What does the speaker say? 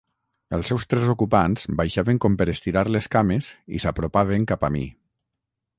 Els seus tres ocupants baixaven com per estirar les cames i s'apropaven cap a mi.